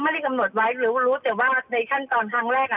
ไม่ได้กำหนดไว้หรือรู้แต่ว่าในขั้นตอนครั้งแรกอ่ะ